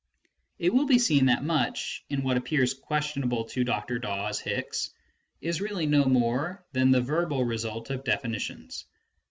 It will be seen that much, in what appears questionable to Dr. Dawes Hicks, is really no more than the verbal result of definitions.